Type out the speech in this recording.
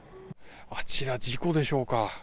あちら、事故でしょうか。